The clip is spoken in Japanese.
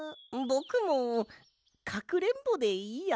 ぼくもかくれんぼでいいや。